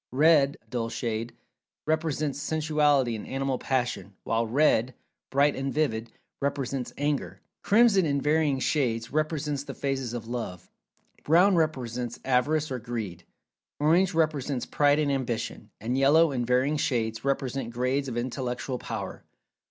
Red (dull shade) represents Sensuality and Animal Passion, while red (bright and vivid) represents Anger. Crimson, in varying shades, represents the phases of "Love." Brown represents Avarice or Greed. Orange represents Pride and Ambition; and Yellow, in varying shades, represents grades of Intellectual Power.